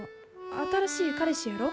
新しい彼氏やろ？